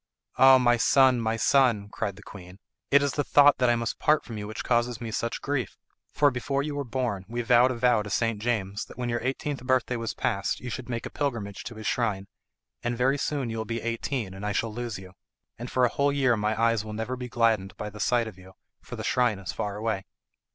"Ah, my son, my son," cried the queen, "it is the thought that I must part from you which causes me such grief; for before you were born we vowed a vow to St. James that when your eighteenth birthday was passed you should make a pilgrimage to his shrine, and very soon you will be eighteen, and I shall lose you. And for a whole year my eyes will never be gladdened by the sight of you, for the shrine is far away."